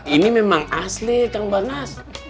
ini memang asli kang banas